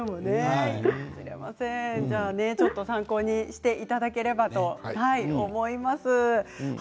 参考にしていただければと思います。